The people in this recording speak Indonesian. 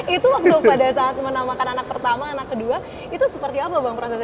itu waktu pada saat menamakan anak pertama anak kedua itu seperti apa bang prosesnya